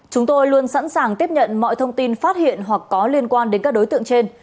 chúng tôi luôn sẵn sàng tiếp nhận mọi thông tin phát hiện hoặc có liên quan đến các đối tượng trên